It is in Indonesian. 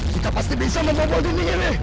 kita pasti bisa membobol dinding ini